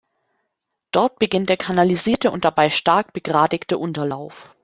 Dort beginnt der kanalisierte und dabei stark begradigte Unterlauf.